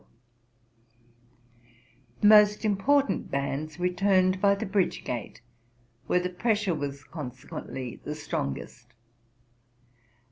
The most important bands returned by the bridge gate, where the pressure was consequently the strongest.